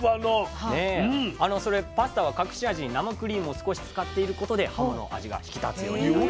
パスタは隠し味に生クリームを少し使っていることではもの味が引き立つようになります。